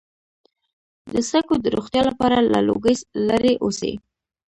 د سږو د روغتیا لپاره له لوګي لرې اوسئ